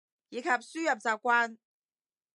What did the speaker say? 以及輸入習慣